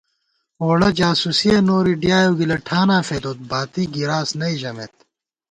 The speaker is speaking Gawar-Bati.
ووڑہ جاسُوسِیَہ نوری ، ڈیائېؤ گِلہ ٹھاناں فېدوت ، باتی گِراس نئ ژمېت